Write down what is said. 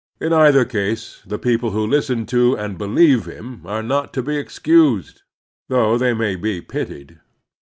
In either case the people who listen to and believe him are not to be excused, though they may be pitied.